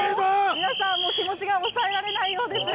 皆さん気持ちが抑えられないようです。